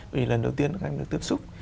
vì lần đầu tiên các em được tiếp xúc